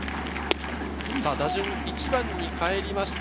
打順１番にかえりました。